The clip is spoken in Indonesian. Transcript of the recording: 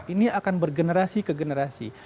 ini akan bergenerasi ke generasi